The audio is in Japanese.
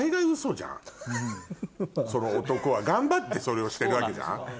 その男は頑張ってそれをしてるわけじゃん。